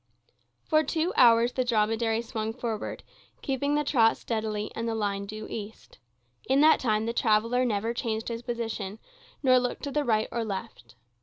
For two hours the dromedary swung forward, keeping the trot steadily and the line due east. In that time the traveller never changed his position, nor looked to the right or left.